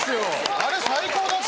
あれ最高だった。